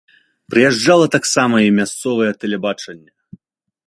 Прыязджала таксама і мясцовае тэлебачанне.